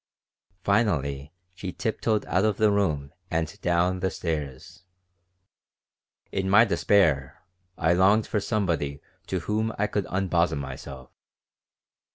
Finally she tiptoed out of the room and down the stairs. In my despair I longed for somebody to whom I could unbosom myself.